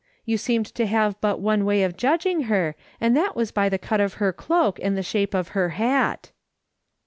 You seemed to have but one way of judging her, and that was by the cut of her cloak and the shape of her hat."